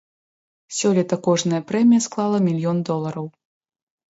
Сёлета кожная прэмія склала мільён долараў.